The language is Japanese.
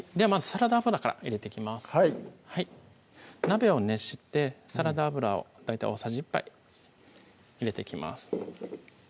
鍋を熱してサラダ油を大体大さじ１杯入れていきます